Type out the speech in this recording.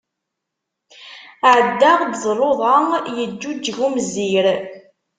Ɛeddaɣ-d d luḍa, yeǧǧuǧeg umezzir.